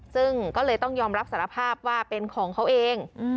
ซึ่งก็เลยต้องยอมรับสารภาพว่าเป็นของเขาเอง